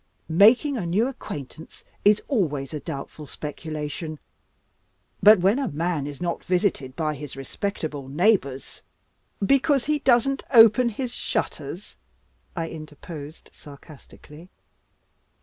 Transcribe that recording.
Making a new acquaintance is always a doubtful speculation; but when a man is not visited by his respectable neighbors " "Because he doesn't open his shutters," I interposed sarcastically.